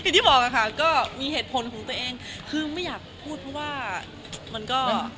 ที่บอกค่ะก็มีเหตุผลของตัวเองคือไม่อยากพูดเพราะว่ามันก็